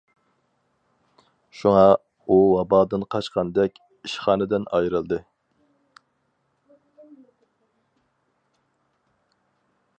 شۇڭا، ئۇ ۋابادىن قاچقاندەك، ئىشخانىدىن ئايرىلدى.